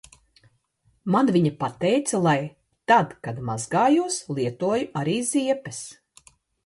Man vi?a pateica, lai tad kad mazg?jos, lietoju ar? ziepes.